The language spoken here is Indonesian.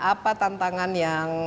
apa tantangan yang